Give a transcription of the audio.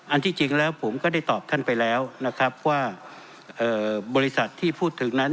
ที่จริงแล้วผมก็ได้ตอบท่านไปแล้วนะครับว่าบริษัทที่พูดถึงนั้น